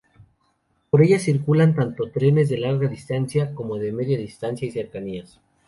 Por ella circulan tanto trenes de larga distancia, como de media distancia y cercanías.